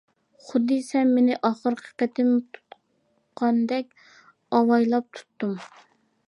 خۇددى سەن مېنى ئاخىرقى قېتىم تۇتقاندەك ئاۋايلاپ تۇتتۇم.